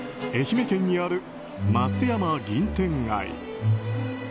愛媛県にある松山銀天街。